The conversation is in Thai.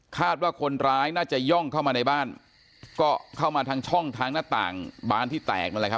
คาดว่าคนร้ายน่าจะย่องเข้ามาในบ้านก็เข้ามาทางช่องทางหน้าต่างบานที่แตกนั่นแหละครับ